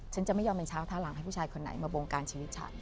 ฉันจะไม่ยอมเป็นช้างท่าหลังให้ผู้ชายคนไหนมาบงการชีวิตฉัน